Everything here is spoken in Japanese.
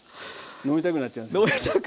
飲みたくなっちゃいますよね。